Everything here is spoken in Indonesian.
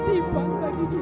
siapa pegang ku orang tuanya